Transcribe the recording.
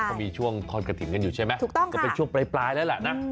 เขามีช่วงทอดกระถิ่นกันอยู่ใช่ไหมไปช่วงปลายแล้วนะคือถูกต้องค่ะ